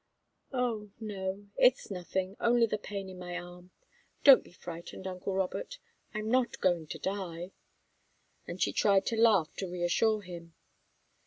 "Oh, no it's nothing only the pain in my arm. Don't be frightened, uncle Robert I'm not going to die!" She tried to laugh to reassure him.